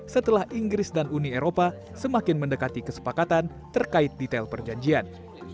setelah inggris dan uni eropa semakin mendekati kesepakatan terkait detail perjanjian